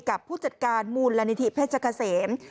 กับผู้จัดการมูลละนิทิพระเจ้าขเศษ